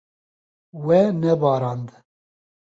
We nebarand.